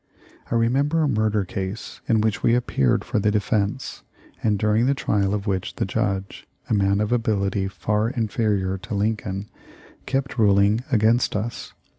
I remember a murder case in which we appeared for the defense, and during the trial of which the judge — a man of ability far inferior to Lincoln's — kept ruling against us.